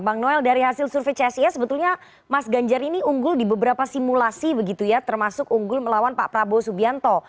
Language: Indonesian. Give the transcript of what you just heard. bang noel dari hasil survei csis sebetulnya mas ganjar ini unggul di beberapa simulasi begitu ya termasuk unggul melawan pak prabowo subianto